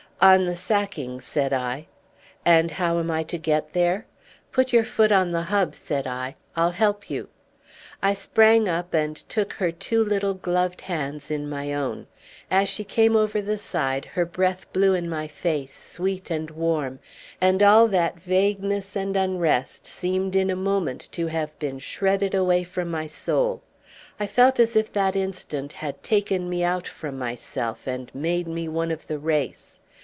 "On the sacking," said I. "And how am I to get there?" "Put your foot on the hub," said I. "I'll help you." I sprang up and took her two little gloved hands in my own. As she came over the side her breath blew in my face, sweet and warm, and all that vagueness and unrest seemed in a moment to have been shredded away from my soul. I felt as if that instant had taken me out from myself, and made me one of the race.